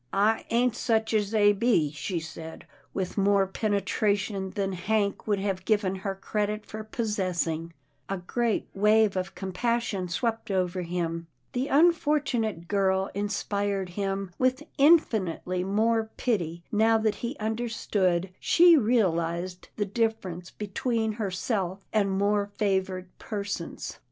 " I ain't such as they be," she said, with more pene tration than Hank would have given her credit for possessing. A great wave of compassion swept over him. The unfortunate girl inspired him with infinitely more pity, now that he understood she realized the dif ference between herself and more favoured persons.